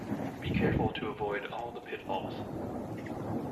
Be careful to avoid all the pitfalls.